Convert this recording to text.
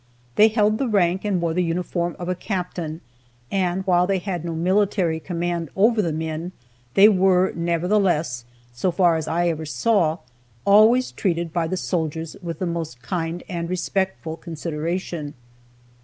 They held the rank and wore the uniform of a captain, and, while they had no military command over the men, they were, nevertheless, so far as I ever saw, always treated by the soldiers with the most kind and respectful consideration.